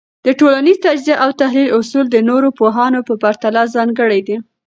د ټولنيز تجزیه او تحلیل اصول د نورو پوهانو په پرتله ځانګړي دي.